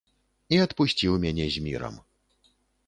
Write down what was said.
І адпусціў мяне з мірам.